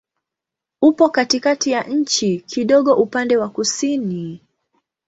Upo katikati ya nchi, kidogo upande wa kusini.